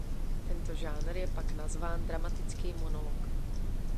Tento žánr je pak nazván dramatický monolog.